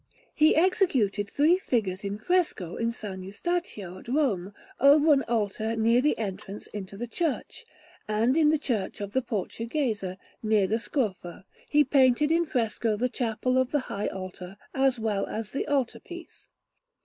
He executed three figures in fresco in S. Eustachio at Rome, over an altar near the entrance into the church; and in the Church of the Portuguese, near the Scrofa, he painted in fresco the Chapel of the High Altar, as well as the altar piece.